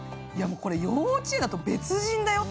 これ幼稚園だと別人だよって。